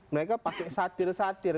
mereka pakai satir satir